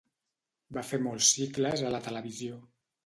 Va fer molts cicles a la televisió.